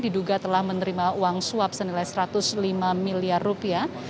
diduga telah menerima uang suap senilai satu ratus lima miliar rupiah